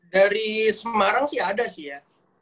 dari semarang sih ada sih ya